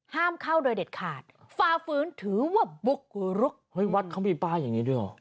ห้ามเข้าโดยเด็ดขาดฟาฟื้นถือว่าวัดเขามีป้ายอย่างนี้ด้วยเหรอ